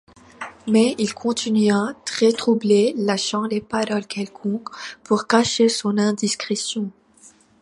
Mais il continua, très troublé, lâchant des paroles quelconques, pour cacher son indiscrétion.